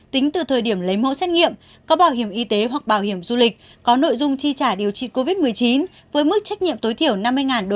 tính từ thời điểm lấy mẫu xét nghiệm có bảo hiểm y tế hoặc bảo hiểm du lịch có nội dung chi trả điều trị covid một mươi chín với mức trách nhiệm tối thiểu năm mươi usd